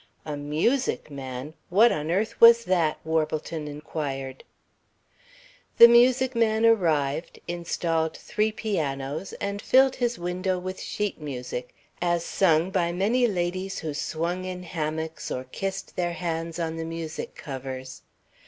A music man, what on earth was that, Warbleton inquired. The music man arrived, installed three pianos, and filled his window with sheet music, as sung by many ladies who swung in hammocks or kissed their hands on the music covers.